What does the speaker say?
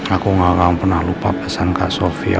aku gak akan pernah lupa pesan kak sofia